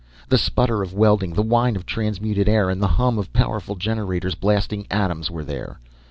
The sputter of welding, the whine of transmuted air, and the hum of powerful generators, blasting atoms were there.